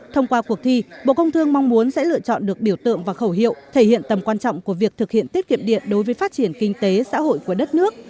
thông qua cuộc thi bộ công thương mong muốn sẽ lựa chọn được biểu tượng và khẩu hiệu thể hiện tầm quan trọng của việc thực hiện tiết kiệm điện đối với phát triển kinh tế xã hội của đất nước